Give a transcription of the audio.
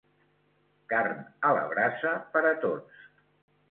Carn a la brasa per a tots